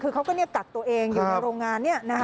คือเขาก็กักตัวเองอยู่ในโรงงาน